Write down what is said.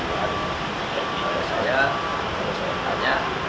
kalau saya kalau saya bertanya